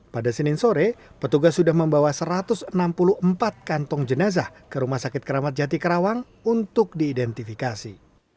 pada senin sore petugas sudah membawa satu ratus enam puluh empat kantong jenazah ke rumah sakit keramat jati karawang untuk diidentifikasi